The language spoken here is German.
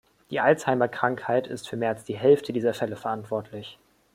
Die Alzheimer-Krankheit ist für mehr als die Hälfte dieser Fälle verantwortlich.